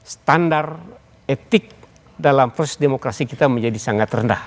standar etik dalam proses demokrasi kita menjadi sangat rendah